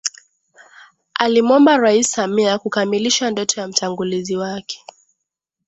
alimwomba Rais Samia kukamilisha ndoto ya mtangulizi wake